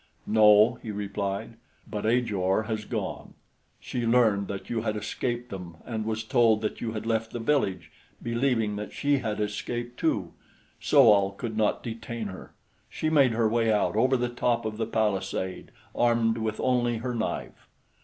"No," he replied; "but Ajor has gone. She learned that you had escaped them and was told that you had left the village, believing that she had escaped too. So al could not detain her. She made her way out over the top of the palisade, armed with only her knife."